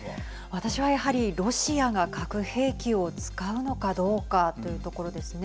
私はやはりロシアが核兵器を使うのかどうかというところですね。